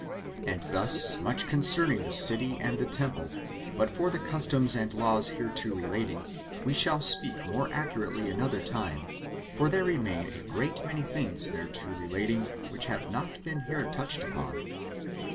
And thus much concerning the city and the temple; but for the customs and laws hereto relating, we shall speak more accurately another time; for there remain a great many things thereto relating which have not been here touched upon.